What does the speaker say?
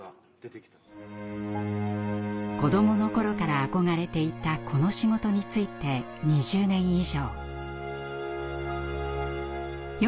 子どもの頃から憧れていたこの仕事に就いて２０年以上。